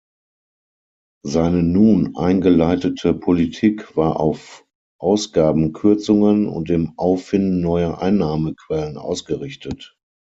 Seine nun eingeleitete Politik war auf Ausgabenkürzungen und dem Auffinden neuer Einnahmequellen ausgerichtet.